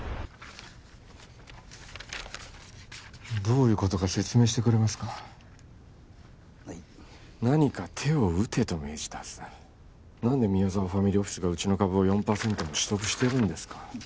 どういうことか説明してくれますかはい何か手を打てと命じたはずだ何で宮沢ファミリーオフィスがうちの株を４％も取得してるんですか